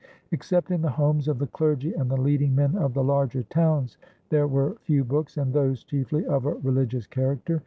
Except in the homes of the clergy and the leading men of the larger towns there were few books, and those chiefly of a religious character.